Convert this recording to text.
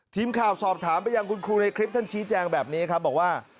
ทีมข่าวสอบถามไปยังคุณครูในคลิปท่านชี้แจงแบบนี้ครับบอกว่า